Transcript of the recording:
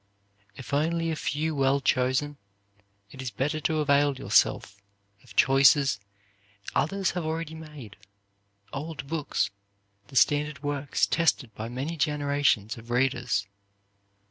If only a few well chosen, it is better to avail yourself of choices others have already made old books, the standard works tested by many generations of readers.